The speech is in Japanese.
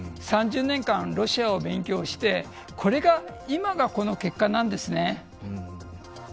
３０年間、ロシアを勉強して、今が結果なんですね。